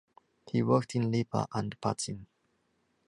He worked in Lipa and Pazin.